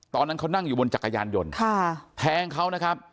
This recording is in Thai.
ตอนนั้นเขานั่งอยู่บนจักรยานยนต์แทงเขานะครับ